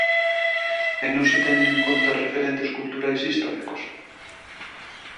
E non se teñen en conta referentes culturais históricos?